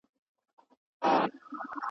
له حجرو څخه به ږغ د ټنګ ټکور وي!